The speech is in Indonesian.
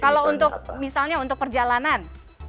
kalau untuk misalnya untuk perjalanan